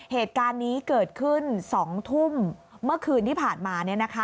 เหตุการณ์นี้เกิดขึ้น๒ทุ่มเมื่อคืนที่ผ่านมา